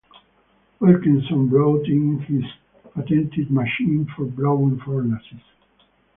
Wilkinson brought in his patented machine for blowing furnaces.